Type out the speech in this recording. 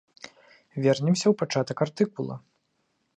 Вернемся ў пачатак артыкула.